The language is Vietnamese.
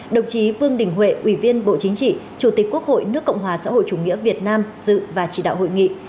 đồng chí vương đình huệ ủy viên bộ chính trị chủ tịch quốc hội nước cộng hòa xã hội chủ nghĩa việt nam dự và chỉ đạo hội nghị